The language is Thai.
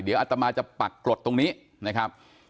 เดี๋ยวอัตมาจะปักกรดตรงนี้นะครับ